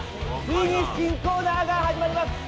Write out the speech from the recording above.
ついに新コーナーが始まります